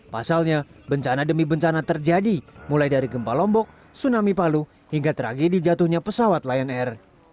pasalnya bencana demi bencana terjadi mulai dari gempa lombok tsunami palu hingga tragedi jatuhnya pesawat lion air